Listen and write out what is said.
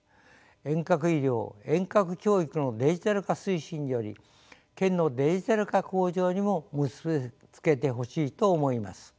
遠隔医療遠隔教育のデジタル化推進により県のデジタル化向上にも結び付けてほしいと思います。